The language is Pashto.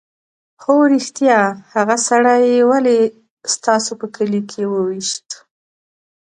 _هو رښتيا! هغه سړی يې ولې ستاسو په کلي کې وويشت؟